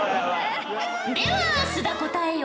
では須田答えよ。